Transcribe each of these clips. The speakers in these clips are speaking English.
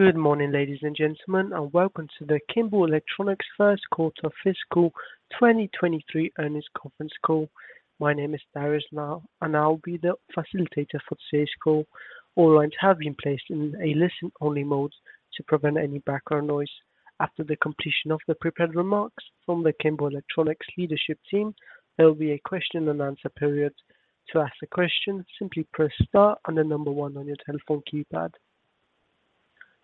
Good morning, ladies and gentlemen, welcome to the Kimball Electronics first quarter fiscal 2023 earnings conference call. My name is Darius Lau, I'll be the facilitator for today's call. All lines have been placed in a listen-only mode to prevent any background noise. After the completion of the prepared remarks from the Kimball Electronics leadership team, there will be a question and answer period. To ask a question, simply press star and the number 1 on your telephone keypad.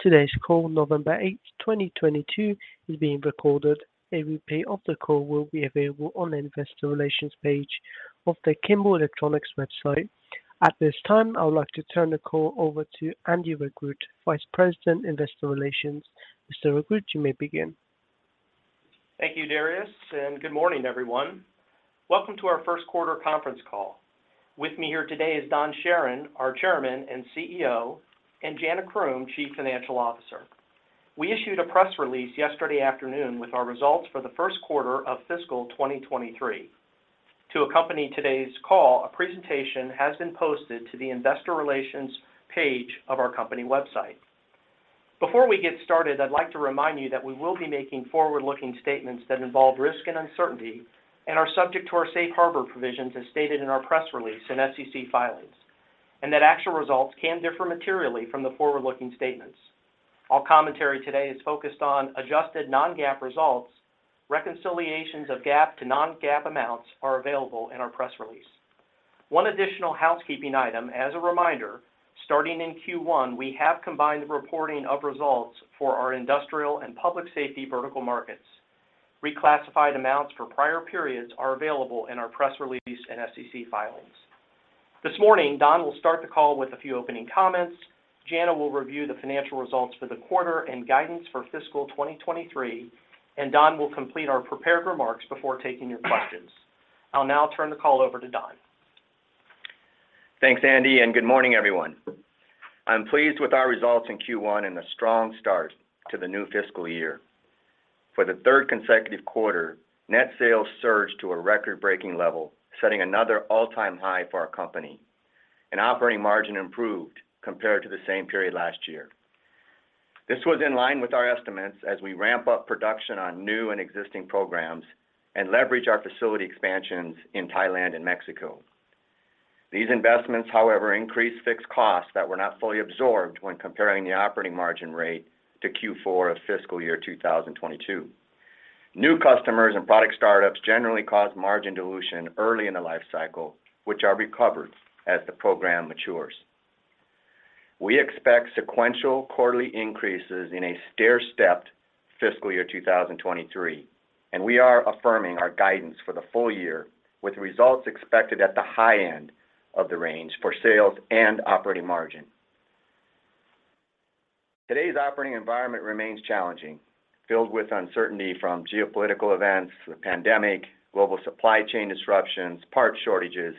Today's call, November 8th, 2022, is being recorded. A replay of the call will be available on the Investor Relations page of the Kimball Electronics website. At this time, I would like to turn the call over to Andy Regrut, Vice President, Investor Relations. Mr. Regrut, you may begin. Thank you, Darius, good morning, everyone. Welcome to our first quarter conference call. With me here today is Don Charron, our Chairman and CEO, Jana Croom, Chief Financial Officer. We issued a press release yesterday afternoon with our results for the first quarter of fiscal 2023. To accompany today's call, a presentation has been posted to the Investor Relations page of our company website. Before we get started, I'd like to remind you that we will be making forward-looking statements that involve risk and uncertainty and are subject to our safe harbor provisions as stated in our press release and SEC filings, that actual results can differ materially from the forward-looking statements. All commentary today is focused on adjusted non-GAAP results. Reconciliations of GAAP to non-GAAP amounts are available in our press release. One additional housekeeping item, as a reminder, starting in Q1, we have combined the reporting of results for our industrial and public safety vertical markets. Reclassified amounts for prior periods are available in our press release and SEC filings. This morning, Don will start the call with a few opening comments. Jana will review the financial results for the quarter and guidance for fiscal 2023, Don will complete our prepared remarks before taking your questions. I'll now turn the call over to Don. Thanks, Andy, good morning, everyone. I'm pleased with our results in Q1, the strong start to the new fiscal year. For the third consecutive quarter, net sales surged to a record-breaking level, setting another all-time high for our company, operating margin improved compared to the same period last year. This was in line with our estimates as we ramp up production on new and existing programs and leverage our facility expansions in Thailand and Mexico. These investments, however, increased fixed costs that were not fully absorbed when comparing the operating margin rate to Q4 of fiscal year 2022. New customers and product startups generally cause margin dilution early in the life cycle, which are recovered as the program matures. We expect sequential quarterly increases in a stairstepped fiscal year 2023. We are affirming our guidance for the full year with results expected at the high end of the range for sales and Operating Margin. Today's operating environment remains challenging, filled with uncertainty from geopolitical events, the pandemic, global supply chain disruptions, part shortages,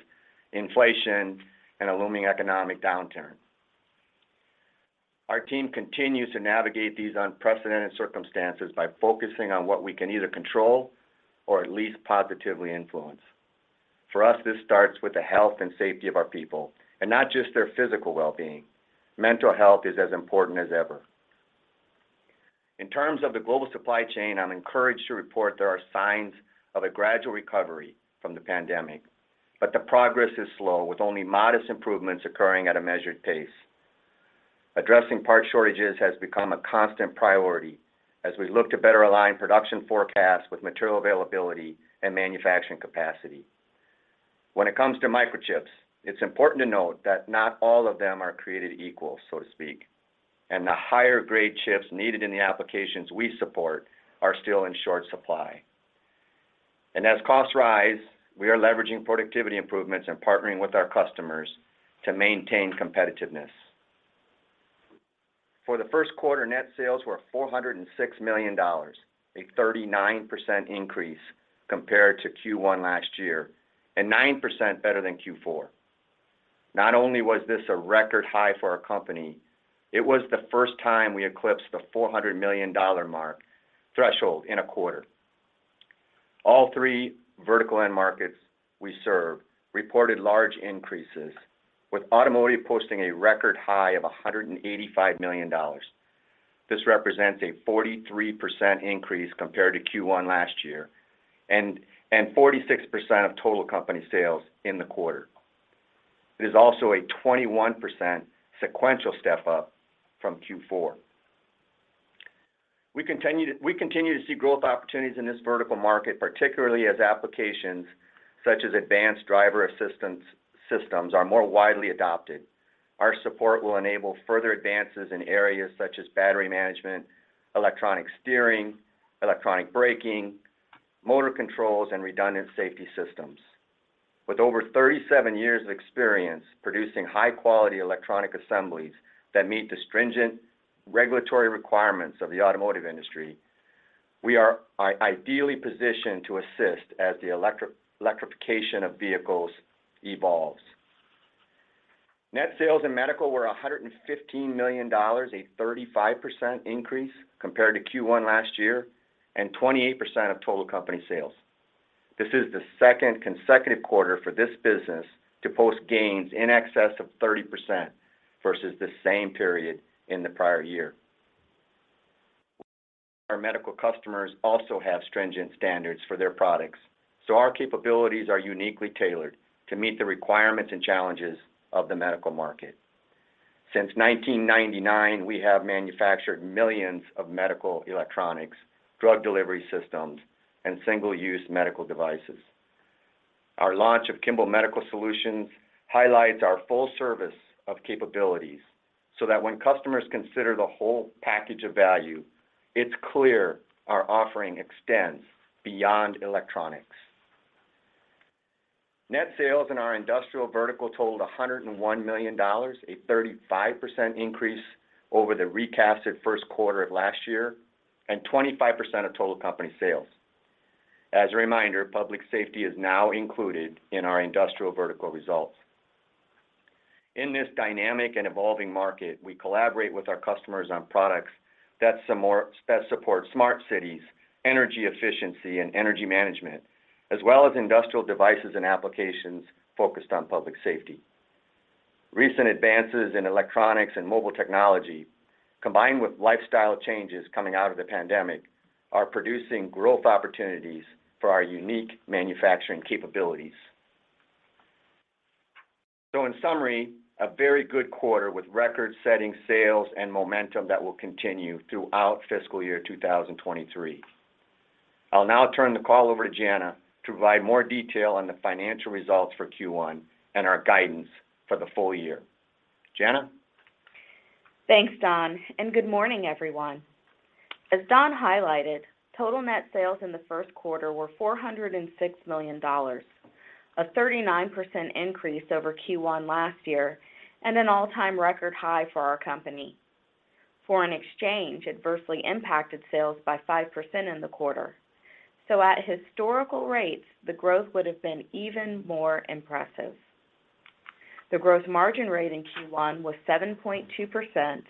inflation, and a looming economic downturn. Our team continues to navigate these unprecedented circumstances by focusing on what we can either control or at least positively influence. For us, this starts with the health and safety of our people, and not just their physical well-being. Mental health is as important as ever. In terms of the global supply chain, I'm encouraged to report there are signs of a gradual recovery from the pandemic, the progress is slow, with only modest improvements occurring at a measured pace. Addressing part shortages has become a constant priority as we look to better align production forecasts with material availability and manufacturing capacity. When it comes to microchips, it's important to note that not all of them are created equal, so to speak, and the higher grade chips needed in the applications we support are still in short supply. As costs rise, we are leveraging productivity improvements and partnering with our customers to maintain competitiveness. For the first quarter, net sales were $406 million, a 39% increase compared to Q1 last year, and 9% better than Q4. Not only was this a record high for our company, it was the first time we eclipsed the $400 million mark threshold in a quarter. All three vertical end markets we serve reported large increases, with automotive posting a record high of $185 million. This represents a 43% increase compared to Q1 last year and 46% of total company sales in the quarter. It is also a 21% sequential step-up from Q4. We continue to see growth opportunities in this vertical market, particularly as applications such as advanced driver-assistance systems are more widely adopted. Our support will enable further advances in areas such as battery management, electronic steering, electronic braking, motor controls, and redundant safety systems. With over 37 years of experience producing high-quality electronic assemblies that meet the stringent regulatory requirements of the automotive industry, we are ideally positioned to assist as the electrification of vehicles evolves. Net sales in medical were $115 million, a 35% increase compared to Q1 last year, and 28% of total company sales. This is the second consecutive quarter for this business to post gains in excess of 30% versus the same period in the prior year. Our medical customers also have stringent standards for their products, our capabilities are uniquely tailored to meet the requirements and challenges of the medical market. Since 1999, we have manufactured millions of medical electronics, drug delivery systems, and single-use medical devices. Our launch of Kimball Medical Solutions highlights our full service of capabilities, that when customers consider the whole package of value, it's clear our offering extends beyond electronics. Net sales in our industrial vertical totaled $101 million, a 35% increase over the recasted first quarter of last year, and 25% of total company sales. As a reminder, public safety is now included in our industrial vertical results. In this dynamic and evolving market, we collaborate with our customers on products that support smart cities, energy efficiency, and energy management, as well as industrial devices and applications focused on public safety. Recent advances in electronics and mobile technology, combined with lifestyle changes coming out of the pandemic, are producing growth opportunities for our unique manufacturing capabilities. In summary, a very good quarter with record-setting sales and momentum that will continue throughout fiscal year 2023. I'll now turn the call over to Jana to provide more detail on the financial results for Q1 and our guidance for the full year. Jana? Thanks, Don, good morning, everyone. As Don highlighted, total net sales in the first quarter were $406 million, a 39% increase over Q1 last year, and an all-time record high for our company. Foreign exchange adversely impacted sales by 5% in the quarter. At historical rates, the growth would've been even more impressive. The gross margin rate in Q1 was 7.2%,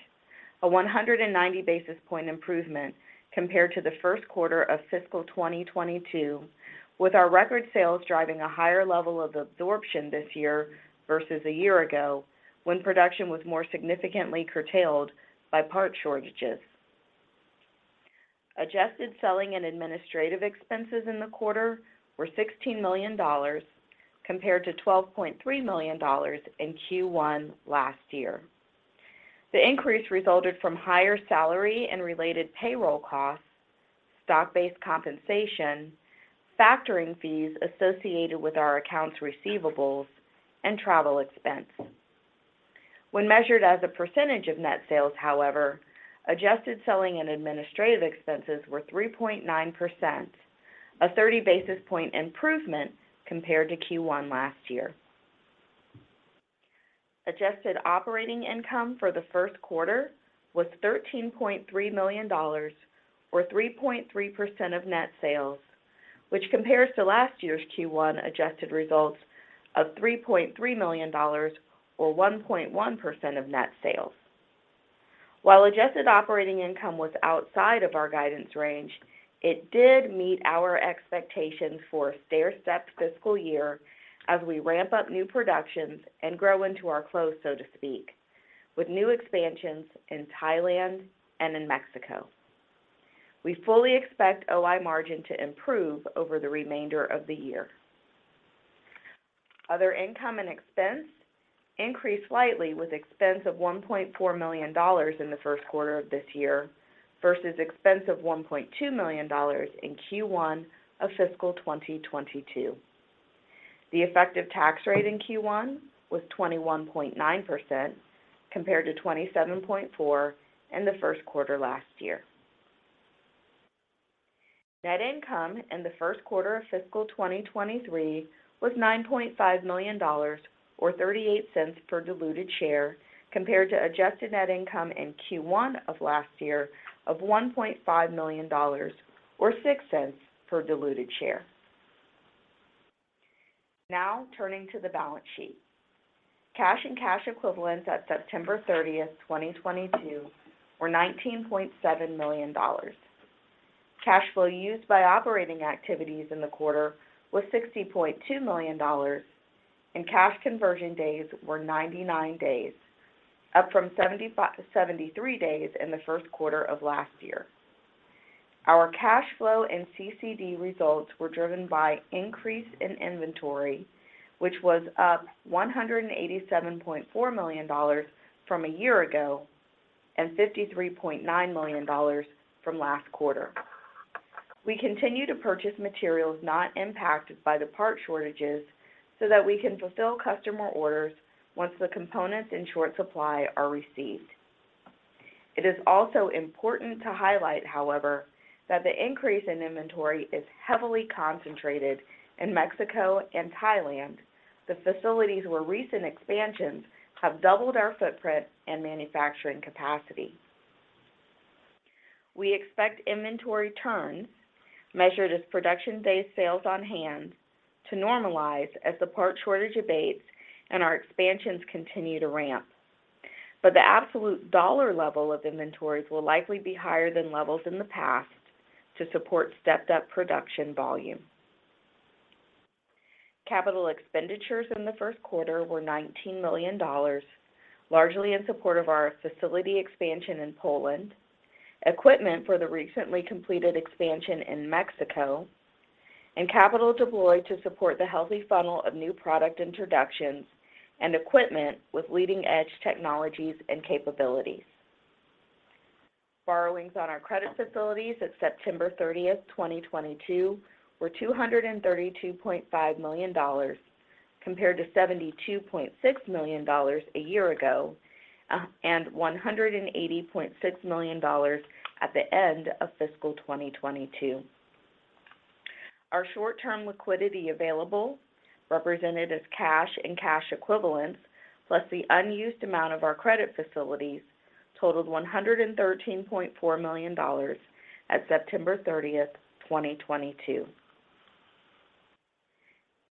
a 190 basis point improvement compared to the first quarter of fiscal 2022, with our record sales driving a higher level of absorption this year versus a year ago, when production was more significantly curtailed by part shortages. Adjusted selling and administrative expenses in the quarter were $16 million compared to $12.3 million in Q1 last year. The increase resulted from higher salary and related payroll costs, stock-based compensation, factoring fees associated with our accounts receivables, and travel expense. When measured as a percentage of net sales, however, adjusted selling and administrative expenses were 3.9%, a 30 basis point improvement compared to Q1 last year. Adjusted operating income for the first quarter was $13.3 million, or 3.3% of net sales, which compares to last year's Q1 adjusted results of $3.3 million, or 1.1% of net sales. While adjusted operating income was outside of our guidance range, it did meet our expectations for a stairstep fiscal year as we ramp up new productions and grow into our close, so to speak, with new expansions in Thailand and in Mexico. We fully expect Operating Margin to improve over the remainder of the year. Other income and expense increased slightly with expense of $1.4 million in the first quarter of this year versus expense of $1.2 million in Q1 of fiscal 2022. The effective tax rate in Q1 was 21.9% compared to 27.4% in the first quarter last year. Net income in the first quarter of fiscal 2023 was $9.5 million, or $0.38 per diluted share, compared to adjusted net income in Q1 of last year of $1.5 million, or $0.06 per diluted share. Turning to the balance sheet. Cash and cash equivalents at September 30th, 2022, were $19.7 million. Cash flow used by operating activities in the quarter was $60.2 million, and cash conversion days were 99 days, up from 73 days in the first quarter of last year. Our cash flow and CCD results were driven by increase in inventory, which was up $187.4 million from a year ago and $53.9 million from last quarter. We continue to purchase materials not impacted by the part shortages so that we can fulfill customer orders once the components in short supply are received. It is also important to highlight, however, that the increase in inventory is heavily concentrated in Mexico and Thailand, the facilities where recent expansions have doubled our footprint and manufacturing capacity. We expect inventory turns, measured as production-based sales on hand, to normalize as the part shortage abates and our expansions continue to ramp. The absolute dollar level of inventories will likely be higher than levels in the past to support stepped-up production volume. Capital expenditures in the first quarter were $19 million, largely in support of our facility expansion in Poland, equipment for the recently completed expansion in Mexico, and capital deployed to support the healthy funnel of new product introductions and equipment with leading-edge technologies and capabilities. Borrowings on our credit facilities at September 30th, 2022, were $232.5 million, compared to $72.6 million a year ago, and $180.6 million at the end of fiscal 2022. Our short-term liquidity available, represented as cash and cash equivalents, plus the unused amount of our credit facilities totaled $113.4 million at September 30th, 2022.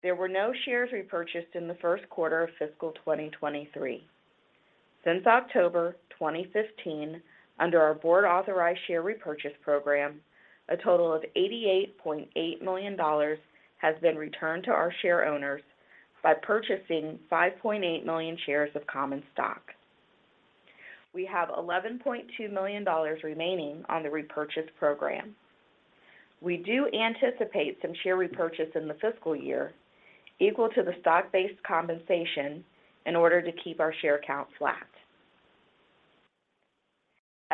There were no shares repurchased in the first quarter of fiscal 2023. Since October 2015, under our board-authorized share repurchase program, a total of $88.8 million has been returned to our share owners by purchasing 5.8 million shares of common stock. We have $11.2 million remaining on the repurchase program. We do anticipate some share repurchase in the fiscal year equal to the stock-based compensation in order to keep our share count flat.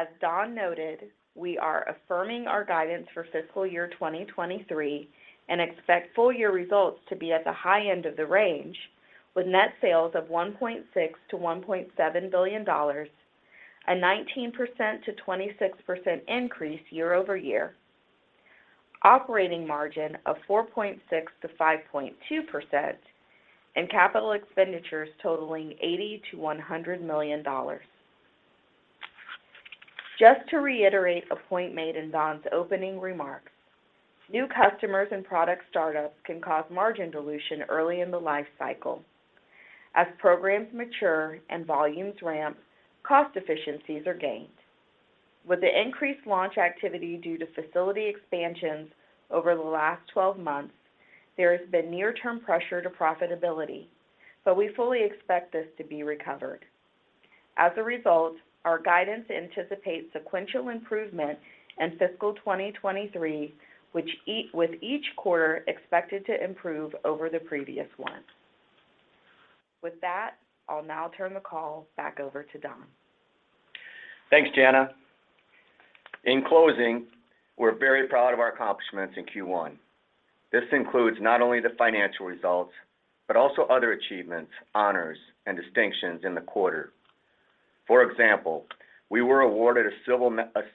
As Don noted, we are affirming our guidance for fiscal year 2023 and expect full-year results to be at the high end of the range, with net sales of $1.6 billion-$1.7 billion, a 19%-26% increase year-over-year, operating margin of 4.6%-5.2%, and capital expenditures totaling $80 million-$100 million. Just to reiterate a point made in Don's opening remarks, new customers and product startups can cause margin dilution early in the life cycle. As programs mature and volumes ramp, cost efficiencies are gained. With the increased launch activity due to facility expansions over the last 12 months, there has been near-term pressure to profitability. We fully expect this to be recovered. As a result, our guidance anticipates sequential improvement in fiscal 2023, with each quarter expected to improve over the previous one. With that, I'll now turn the call back over to Don. Thanks, Jana. In closing, we're very proud of our accomplishments in Q1. This includes not only the financial results, but also other achievements, honors, and distinctions in the quarter. For example, we were awarded a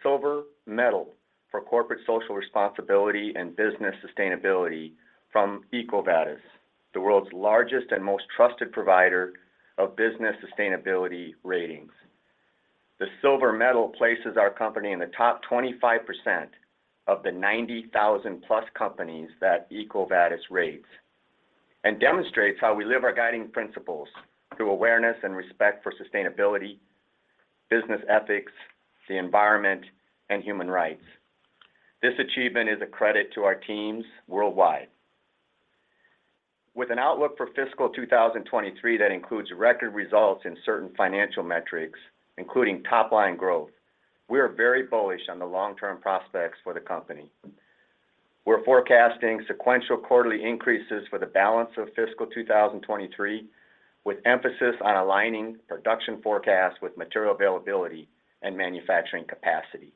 Silver Medal for corporate social responsibility and business sustainability from EcoVadis, the world's largest and most trusted provider of business sustainability ratings. The Silver Medal places our company in the top 25% of the 90,000-plus companies that EcoVadis rates and demonstrates how we live our guiding principles through awareness and respect for sustainability, business ethics, the environment, and human rights. This achievement is a credit to our teams worldwide. With an outlook for fiscal 2023 that includes record results in certain financial metrics, including top-line growth, we are very bullish on the long-term prospects for the company. We're forecasting sequential quarterly increases for the balance of fiscal 2023, with emphasis on aligning production forecasts with material availability and manufacturing capacity,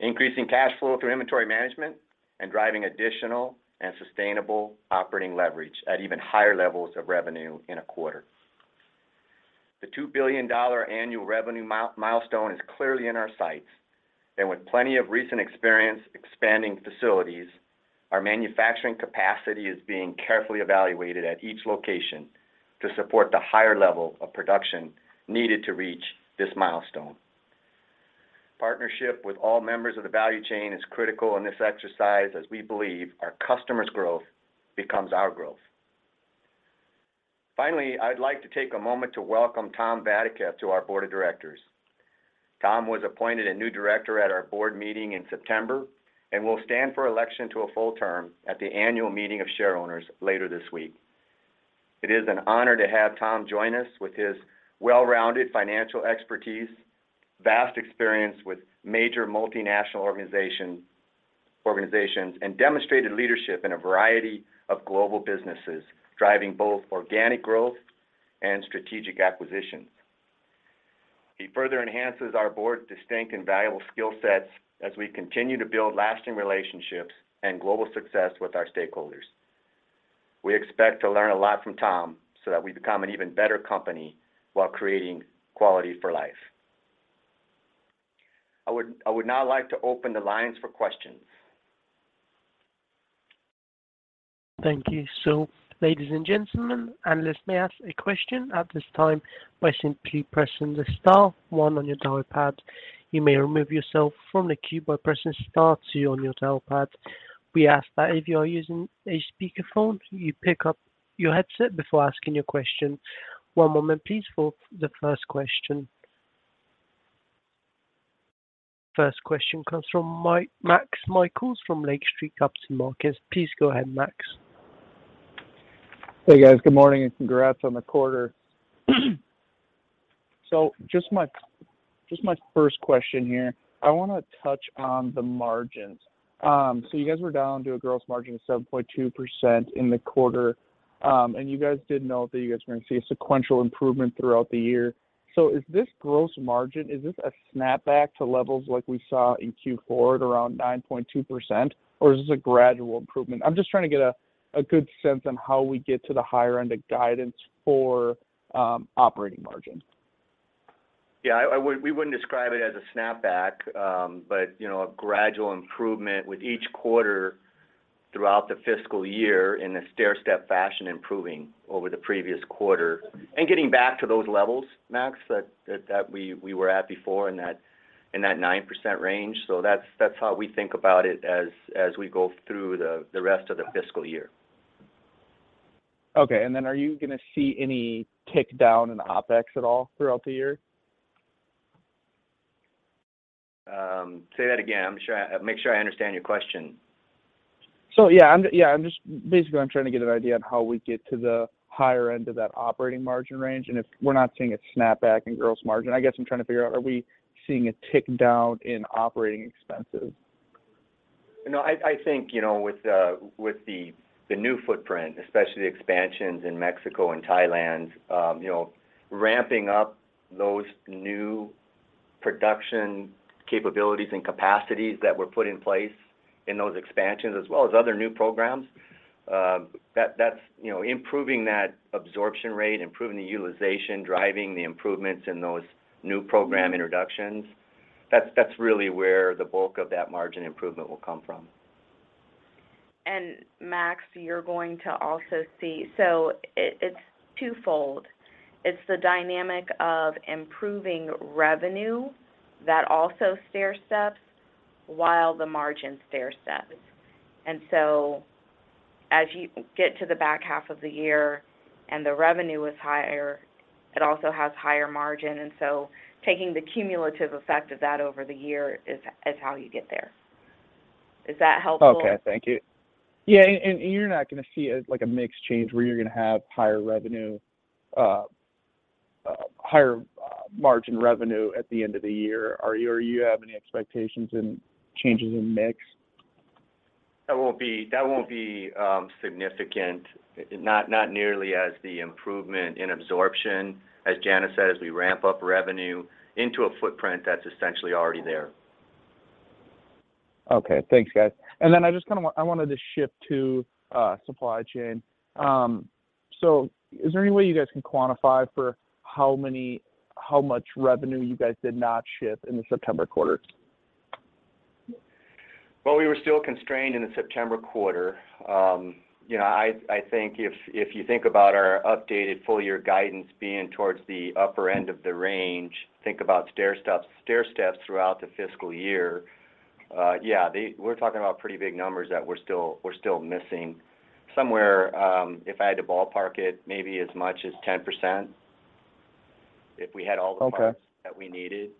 increasing cash flow through inventory management, and driving additional and sustainable operating leverage at even higher levels of revenue in a quarter. The $2 billion annual revenue milestone is clearly in our sights and with plenty of recent experience expanding facilities, our manufacturing capacity is being carefully evaluated at each location to support the higher level of production needed to reach this milestone. Partnership with all members of the value chain is critical in this exercise, as we believe our customers' growth becomes our growth. Finally, I'd like to take a moment to welcome Tom Vadaketh to our board of directors. Tom was appointed a new director at our board meeting in September and will stand for election to a full term at the annual meeting of share owners later this week. It is an honor to have Tom join us with his well-rounded financial expertise, vast experience with major multinational organizations, and demonstrated leadership in a variety of global businesses, driving both organic growth and strategic acquisitions. He further enhances our board's distinct and valuable skill sets as we continue to build lasting relationships and global success with our stakeholders. We expect to learn a lot from Tom so that we become an even better company while creating Quality for Life. I would now like to open the lines for questions. Thank you. Ladies and gentlemen, analysts may ask a question at this time by simply pressing the star one on your dial pad. You may remove yourself from the queue by pressing star two on your dial pad. We ask that if you are using a speakerphone, you pick up your headset before asking your question. One moment please for the first question. First question comes from Maxwell Michaelis from Lake Street Capital Markets. Please go ahead, Max. Hey, guys. Good morning, and congrats on the quarter. Just my first question here. I want to touch on the margins. You guys were down to a gross margin of 7.2% in the quarter. You guys did note that you guys are going to see a sequential improvement throughout the year. Is this gross margin, is this a snapback to levels like we saw in Q4 at around 9.2%, or is this a gradual improvement? I'm just trying to get a good sense on how we get to the higher end of guidance for Operating Margin. We wouldn't describe it as a snapback. A gradual improvement with each quarter throughout the fiscal year in a stairstep fashion, improving over the previous quarter and getting back to those levels, Max, that we were at before in that 9% range. That's how we think about it as we go through the rest of the fiscal year. Are you going to see any tick down in OpEx at all throughout the year? Say that again, make sure I understand your question. I'm just basically trying to get an idea on how we get to the higher end of that Operating Margin range, and if we're not seeing a snapback in gross margin. I guess I'm trying to figure out, are we seeing a tick down in operating expenses? I think, with the new footprint, especially expansions in Mexico and Thailand, ramping up those new production capabilities and capacities that were put in place in those expansions, as well as other new programs. Improving that absorption rate, improving the utilization, driving the improvements in those new program introductions, that's really where the bulk of that margin improvement will come from. Max, you're going to also see, it's twofold. It's the dynamic of improving revenue that also stairsteps while the margin stairsteps. As you get to the back half of the year and the revenue is higher, it also has higher margin. Taking the cumulative effect of that over the year is how you get there. Is that helpful? Okay, thank you. Yeah, you're not going to see a mix change where you're going to have higher margin revenue at the end of the year. You have any expectations in changes in mix? That won't be significant, not nearly as the improvement in absorption, as Jana said, as we ramp up revenue into a footprint that's essentially already there. Okay, thanks, guys. I just wanted to shift to supply chain. Is there any way you guys can quantify for how much revenue you guys did not ship in the September quarter? Well, we were still constrained in the September quarter. I think if you think about our updated full-year guidance being towards the upper end of the range, think about stairsteps throughout the fiscal year. Yeah, we're talking about pretty big numbers that we're still missing. Somewhere, if I had to ballpark it, maybe as much as 10%, if we had all the- Okay parts that we needed.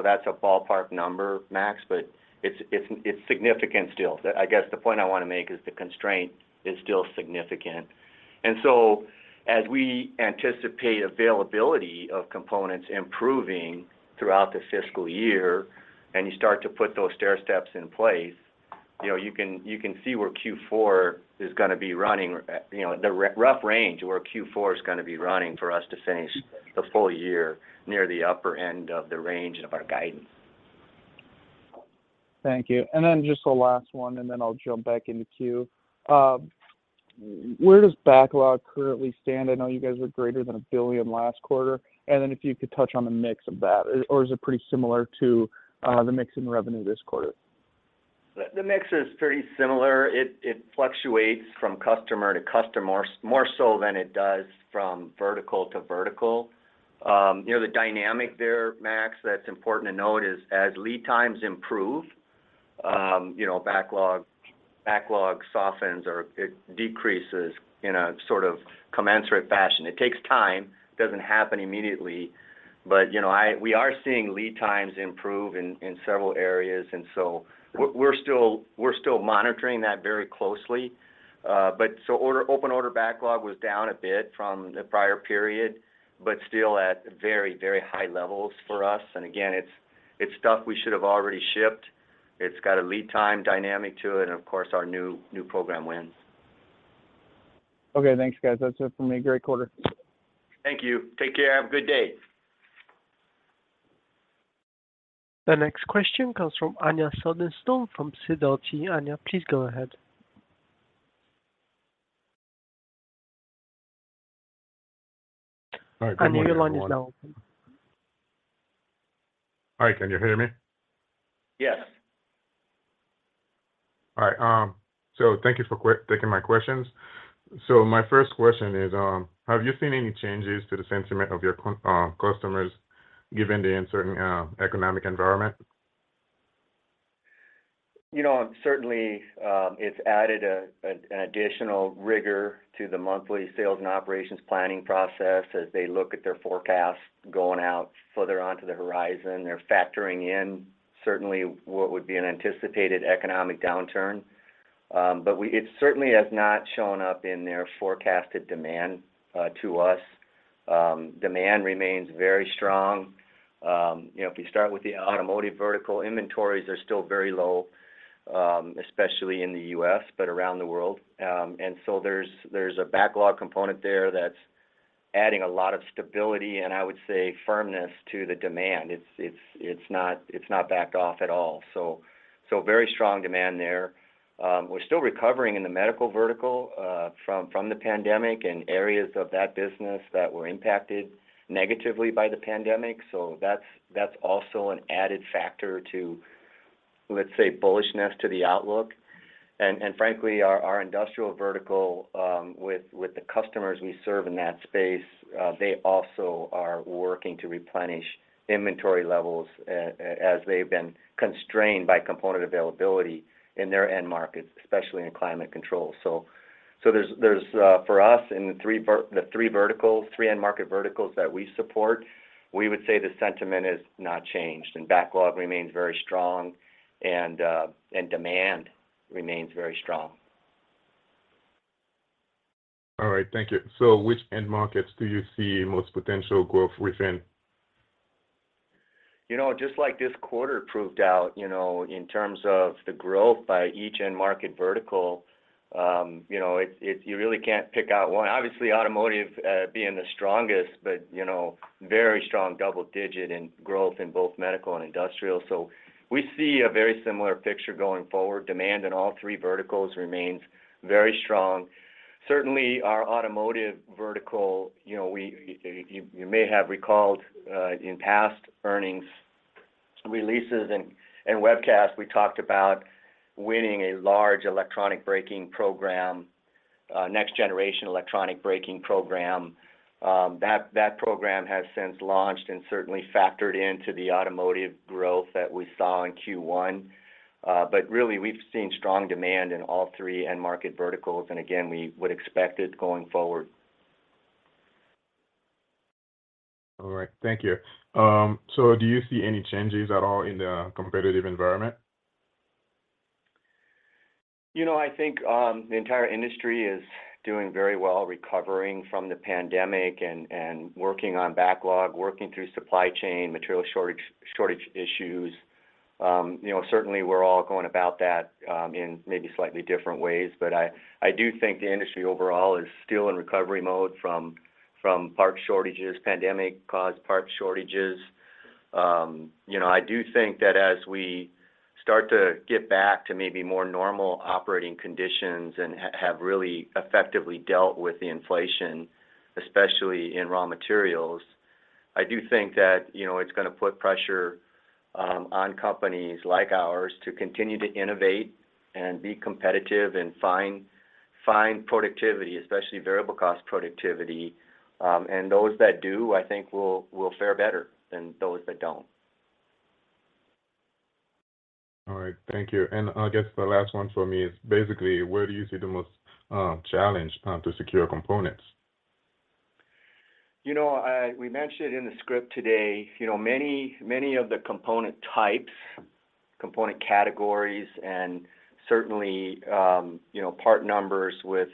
That's a ballpark number, Max, but it's significant still. I guess the point I want to make is the constraint is still significant, as we anticipate availability of components improving throughout the fiscal year, and you start to put those stairsteps in place, you can see where Q4 is going to be running, the rough range where Q4 is going to be running for us to finish the full year near the upper end of the range of our guidance. Thank you. Just the last one, I'll jump back in the queue. Where does backlog currently stand? I know you guys were greater than $1 billion last quarter, if you could touch on the mix of that, or is it pretty similar to the mix in revenue this quarter? The mix is pretty similar. It fluctuates from customer to customer, more so than it does from vertical to vertical. The dynamic there, Max, that's important to note is as lead times improve, backlog softens or it decreases in a sort of commensurate fashion. It takes time. Doesn't happen immediately, but we are seeing lead times improve in several areas. We're still monitoring that very closely. Open order backlog was down a bit from the prior period, but still at very high levels for us. Again, it's stuff we should have already shipped. It's got a lead time dynamic to it, and of course, our new program wins. Okay, thanks, guys. That's it from me. Great quarter. Thank you. Take care. Have a good day. The next question comes from Anja Soderstrom from Sidoti. Anja, please go ahead. All right. Good morning, everyone. Anja, your line is now open. All right. Can you hear me? Yes. All right. Thank you for taking my questions. My first question is, have you seen any changes to the sentiment of your customers? Given the uncertain economic environment? Certainly, it's added an additional rigor to the monthly sales and operations planning process as they look at their forecast going out further onto the horizon. They're factoring in certainly what would be an anticipated economic downturn. It certainly has not shown up in their forecasted demand to us. Demand remains very strong. If you start with the automotive vertical, inventories are still very low, especially in the U.S., but around the world. There's a backlog component there that's adding a lot of stability and I would say firmness to the demand. It's not backed off at all. Very strong demand there. We're still recovering in the medical vertical from the pandemic and areas of that business that were impacted negatively by the pandemic. That's also an added factor to, let's say, bullishness to the outlook. Frankly, our industrial vertical, with the customers we serve in that space, they also are working to replenish inventory levels as they've been constrained by component availability in their end markets, especially in climate control. For us, in the three end market verticals that we support, we would say the sentiment has not changed, backlog remains very strong and demand remains very strong. All right. Thank you. Which end markets do you see most potential growth within? Just like this quarter proved out, in terms of the growth by each end market vertical, you really can't pick out one. Obviously, automotive being the strongest, but very strong double-digit in growth in both medical and industrial. We see a very similar picture going forward. Demand in all three verticals remains very strong. Certainly, our automotive vertical, you may have recalled in past earnings releases and webcasts, we talked about winning a large electronic braking program, next generation electronic braking program. That program has since launched and certainly factored into the automotive growth that we saw in Q1. Really, we've seen strong demand in all three end market verticals, and again, we would expect it going forward. All right. Thank you. Do you see any changes at all in the competitive environment? I think the entire industry is doing very well recovering from the pandemic and working on backlog, working through supply chain, material shortage issues. Certainly, we're all going about that in maybe slightly different ways. I do think the industry overall is still in recovery mode from pandemic-caused part shortages. I do think that as we start to get back to maybe more normal operating conditions and have really effectively dealt with the inflation, especially in raw materials, I do think that it's going to put pressure on companies like ours to continue to innovate and be competitive and find productivity, especially variable cost productivity. Those that do, I think will fare better than those that don't. All right. Thank you. I guess the last one from me is basically where do you see the most challenge to secure components? We mentioned in the script today, many of the component types, component categories, and certainly part numbers with,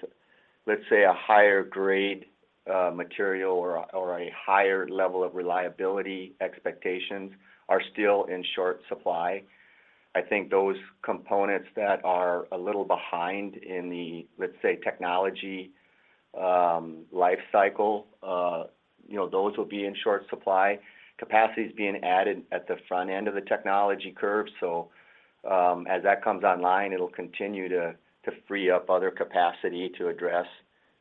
let's say, a higher grade material or a higher level of reliability expectations are still in short supply. I think those components that are a little behind in the, let's say, technology life cycle, those will be in short supply. Capacity is being added at the front end of the technology curve. As that comes online, it'll continue to free up other capacity to address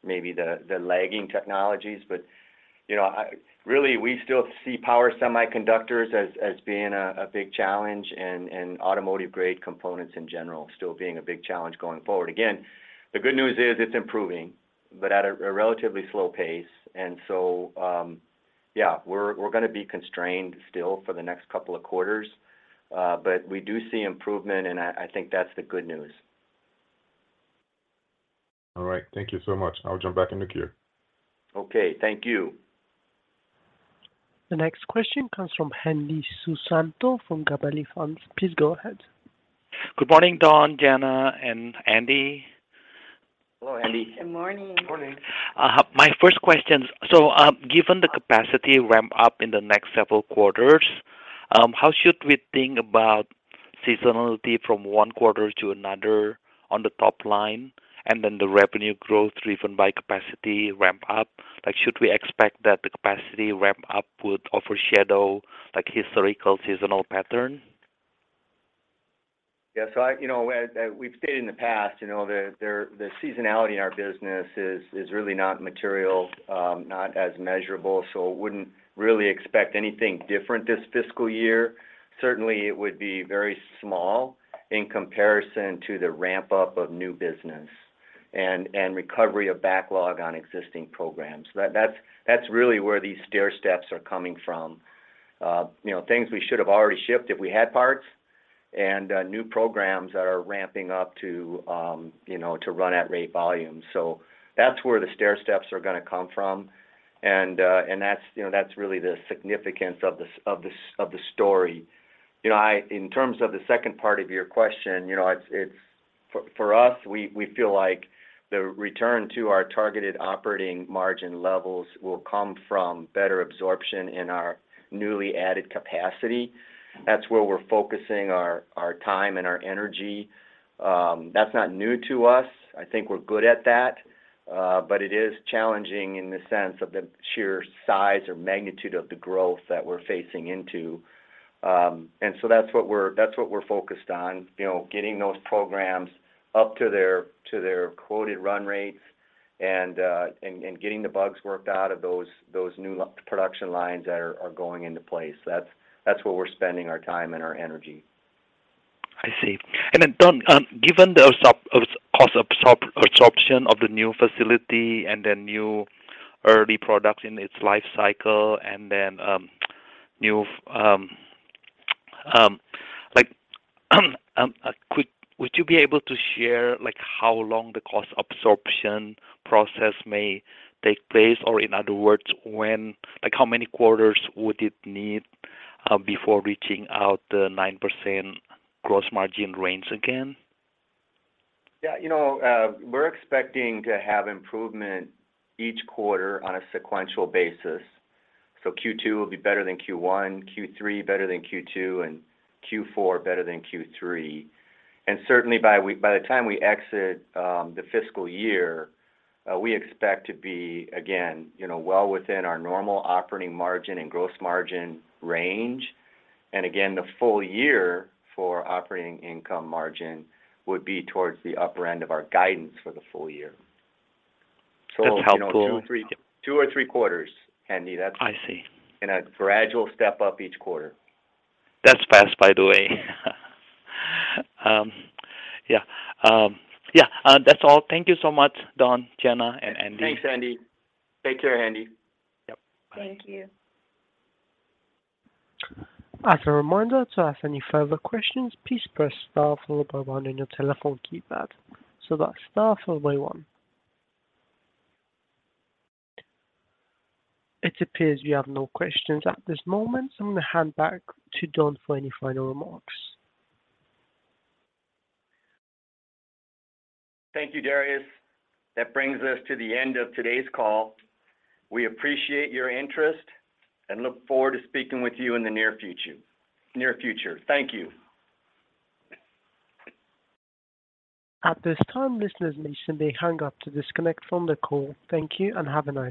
maybe the lagging technologies. Really, we still see power semiconductors as being a big challenge and automotive grade components in general still being a big challenge going forward. Again, the good news is it's improving, but at a relatively slow pace. Yeah, we're going to be constrained still for the next couple of quarters. We do see improvement, and I think that's the good news. All right. Thank you so much. I'll jump back in the queue. Okay. Thank you. The next question comes from Hendi Susanto from Gabelli Funds. Please go ahead. Good morning, Don, Jana, and Andy. Hello, Hendi. Good morning. Morning. My first question. Given the capacity ramp up in the next several quarters, how should we think about seasonality from one quarter to another on the top line, and then the revenue growth driven by capacity ramp up? Should we expect that the capacity ramp up would overshadow historical seasonal pattern? Yeah. We've stated in the past, the seasonality in our business is really not material, not as measurable, wouldn't really expect anything different this fiscal year. Certainly, it would be very small in comparison to the ramp up of new business. Recovery of backlog on existing programs. That's really where these stairsteps are coming from. Things we should've already shipped if we had parts and new programs that are ramping up to run at rate volume. That's where the stairsteps are going to come from. That's really the significance of the story. In terms of the second part of your question, for us, we feel like the return to our targeted Operating Margin levels will come from better absorption in our newly added capacity. That's where we're focusing our time and our energy. That's not new to us. I think we're good at that. It is challenging in the sense of the sheer size or magnitude of the growth that we're facing into. That's what we're focused on, getting those programs up to their quoted run rates and getting the bugs worked out of those new production lines that are going into place. That's where we're spending our time and our energy. I see. Don, given the cost absorption of the new facility and the new early product in its life cycle, would you be able to share how long the cost absorption process may take place, or in other words, how many quarters would it need before reaching out the 9% gross margin range again? Yeah. We're expecting to have improvement each quarter on a sequential basis. Q2 will be better than Q1, Q3 better than Q2, and Q4 better than Q3. Certainly by the time we exit the fiscal year, we expect to be, again, well within our normal operating margin and gross margin range. Again, the full year for operating income margin would be towards the upper end of our guidance for the full year. That's helpful. Two or three quarters, Hendi. I see. In a gradual step-up each quarter. That's fast, by the way. Yeah. That's all. Thank you so much, Don, Jana, and Hendi. Thanks, Hendi. Take care, Hendi. Yep. Bye. Thank you. As a reminder, to ask any further questions, please press star followed by one on your telephone keypad. That's star followed by one. It appears we have no questions at this moment, I'm going to hand back to Don for any final remarks. Thank you, Darius. That brings us to the end of today's call. We appreciate your interest and look forward to speaking with you in the near future. Thank you. At this time, listeners may simply hang up to disconnect from the call. Thank you and have a nice day.